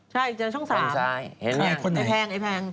ใช่จากช่อง๓ไอ้แพง